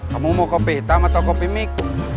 kamu mau kopi hitam atau kopi miku